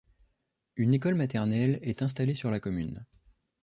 Une école maternelle est installée sur la commune.